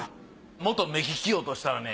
元目利き王としたらね